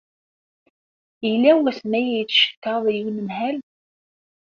Yella wasmi ay teccetkaḍ i unemhal?